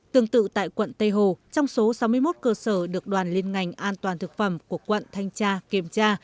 tương tự tại quận tây hồ trong số sáu mươi một cơ sở được đoàn liên ngành an toàn thực phẩm của quận thanh tra kiểm tra